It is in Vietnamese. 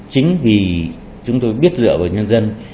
chính vì chúng tôi biết dựa vào nhân dân